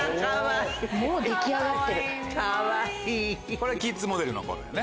これキッズモデルの頃やね。